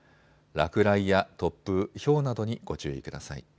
落雷や突風、ひょうなどにご注意ください。